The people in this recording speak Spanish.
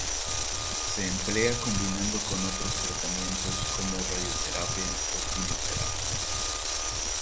Se emplea combinado con otros tratamientos como radioterapia o quimioterapia.